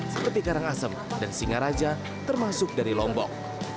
seperti karangasem dan singaraja termasuk dari lombok